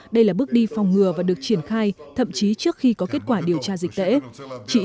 đây là bước đi phòng ngừa và được triển khai thậm chí trước khi có kết quả điều tra dịch tễ